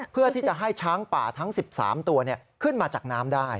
เพื่อที่จะให้ช้างป่าทั้ง๑๓ตัวขึ้นมาจากน้ำได้